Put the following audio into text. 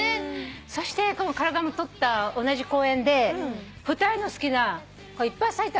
そしてカルガモ撮った同じ公園で２人の好きないっぱい咲いてた。